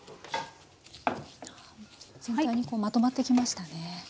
全体にこうまとまってきましたね。